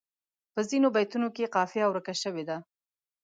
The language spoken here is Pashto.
په ځینو بیتونو کې قافیه ورکه شوې ده.